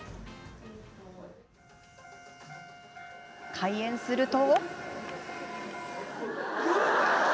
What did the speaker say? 開演すると。